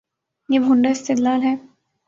یہ بھونڈا استدلال ہے۔